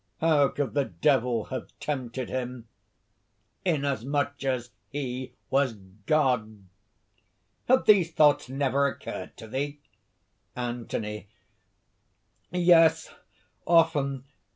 How could the Devil have tempted him, inasmuch as he was God? Have these thoughts never occurred to thee?" ANTHONY. "Yes!... often!